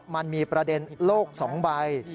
มันมีประเด็นโลก๒ใบ